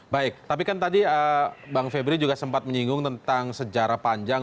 baik tapi kan tadi bang febri juga sempat menyinggung tentang sejarah panjang